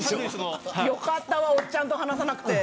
良かったわおっちゃんと話さなくて。